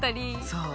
そう。